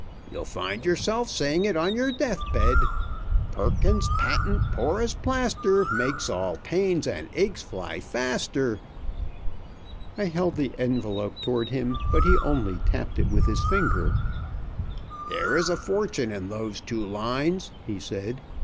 You'll find yourself saying it on your death bed: "'Perkins's Patent Porous Plaster Makes all pains and aches fly faster.'" I held the envelope toward him, but he only tapped it with his finger. "There is a fortune in those two lines," he said.